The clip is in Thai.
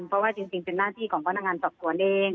เพราะว่าจริงเป็นหน้าที่ของพนักงานสอบสวนเอง